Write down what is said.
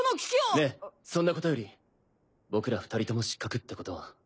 ねぇそんなことより僕ら２人とも失格ってことは。